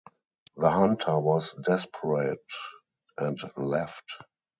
The hunter was desperate and left.